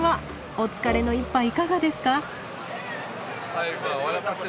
お疲れの一杯いかがですか？